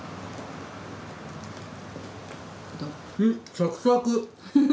サクサク！